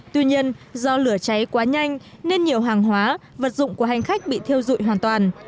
tuy nhiên do lửa cháy quá nhanh nên nhiều hàng hóa vật dụng của hành khách bị theo dụi hoàn toàn